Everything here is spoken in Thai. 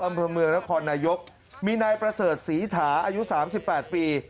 อัมพมือและคอร์นายกมีนายประเสริฐศรีถาอายุสามสิบแปดปี